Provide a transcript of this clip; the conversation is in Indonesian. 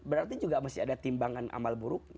berarti juga masih ada timbangan amal buruknya